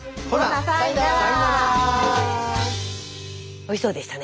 おいしそうでしたね。